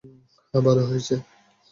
হ্যাঁ, ভালো হয়েছে!